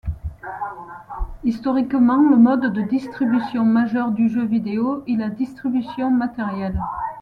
Historiquement, le mode de distribution majeur du jeu vidéo est la distribution matérielle.